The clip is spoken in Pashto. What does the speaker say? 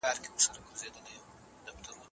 ستاسو په ذهن کي به د سولې فکر وي.